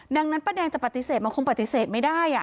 ดังนั้นป้าแดงจะปฏิเสธมันคงปฏิเสธไม่ได้